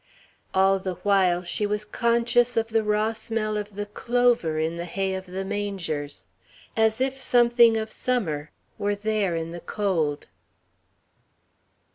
All the while, she was conscious of the raw smell of the clover in the hay of the mangers, as if something of Summer were there in the cold.